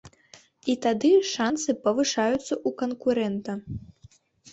І тады шанцы павышаюцца ў канкурэнта.